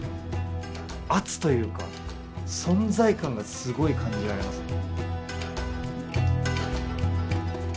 圧というか存在感がすごい感じられますね。